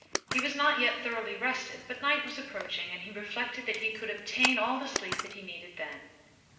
He was not yet thoroughly rested, but night was approaching and he reflected that he could obtain all the sleep that he needed then.